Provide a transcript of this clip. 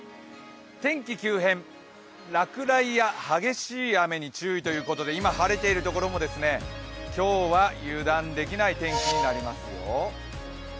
天気急変、落雷や激しい雨に注意ということで今、晴れている所も今日は油断できない天気になりますよ。